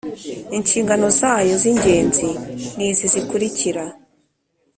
inshingano zayo z ingenzi ni izi zikurikira